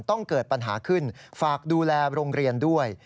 ต้องเกิดปัญหาขึ้นฝากดูแลโรงเรียนด้วย